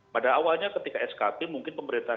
pada awalnya ketika skp mungkin pemerintah